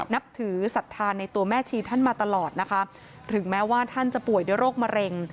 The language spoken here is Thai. นับถือศรัทธาในตัวแม่ชีท่านมาตลอดนะคะถึงแม้ว่าท่านจะป่วยด้วยโรคมะเร็ง